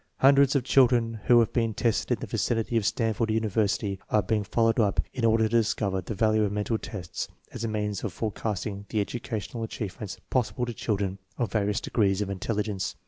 Hundreds of children who have been tested in the vicinity of Stanford University are being followed up in order to discover the value of mental tests as a means of forecasting the educational achievements possible to children of various degrees of intelligence.